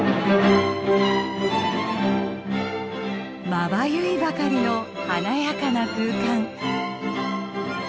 まばゆいばかりの華やかな空間。